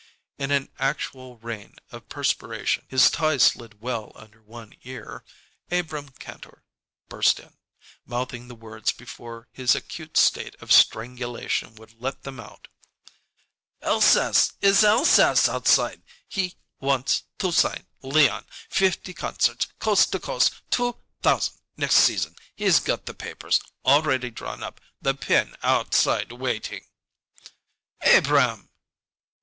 In an actual rain of perspiration, his tie slid well under one ear, Abrahm Kantor burst in, mouthing the words before his acute state of strangulation would let them out. "Elsass it's Elsass outside! He wants to sign Leon fifty concerts coast to coast two thousand next season! He's got the papers already drawn up the pen outside waiting " "Abrahm!"